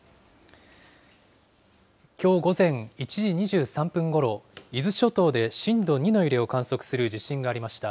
きょう午前１時２３分ごろ、伊豆諸島で震度２の揺れを観測する地震がありました。